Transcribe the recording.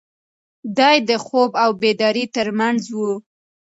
دی د خوب او بیدارۍ تر منځ و.